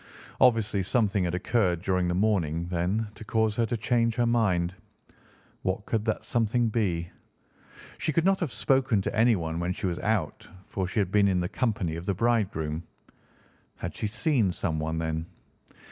Obviously something had occurred during the morning, then, to cause her to change her mind. What could that something be? She could not have spoken to anyone when she was out, for she had been in the company of the bridegroom. Had she seen someone, then?